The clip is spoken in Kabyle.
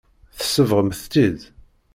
Tsebɣemt-t-id.